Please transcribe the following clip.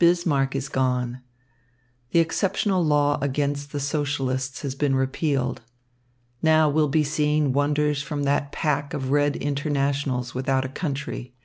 Bismarck is gone. The exceptional law against the Socialists has been repealed. Now we'll be seeing wonders from that pack of red internationals without a country.